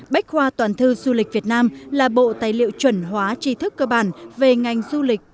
bách khoa toàn thư du lịch việt nam là bộ tài liệu chuẩn hóa tri thức cơ bản về ngành du lịch